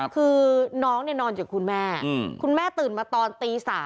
คือน้องนอนอยู่กับคุณแม่คุณแม่ตื่นมาตอนตี๓